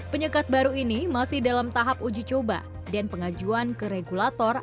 penyekat baru ini masih dalam tahap uji coba dan pengajuan ke regulator